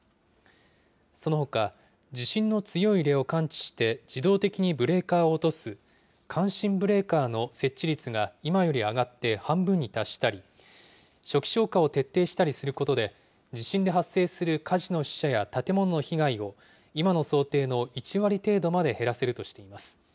そのほか、地震の強い揺れを感知して自動的にブレーカーを落とす、感震ブレーカーの設置率が今より上がって半分に達したり、初期消火を徹底したりすることで、地震で発生する火事の死者や建物の被害を、今の想定の１割程度まで減らせるとしています。